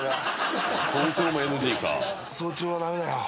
早朝は駄目だよ。